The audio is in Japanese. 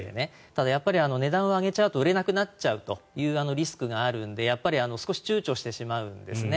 ただやっぱり値段を上げちゃうと売れなくなっちゃうというリスクがあるので、やっぱり少し躊躇してしまうんですね。